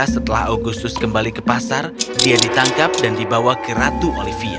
setelah agustus kembali ke pasar dia ditangkap dan dibawa ke ratu olivia